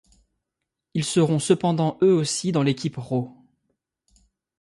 Ils seront cependant eux aussi dans l'équipe Raw.